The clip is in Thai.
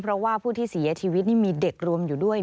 เพราะว่าผู้ที่เสียชีวิตนี่มีเด็กรวมอยู่ด้วย